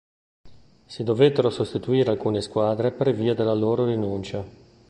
Si dovettero sostituire alcune squadre per via della loro rinuncia.